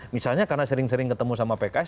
misalnya karena sering sering ketemu sama pks